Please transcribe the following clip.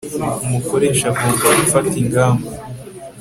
umukoresha agomba gufata ingamba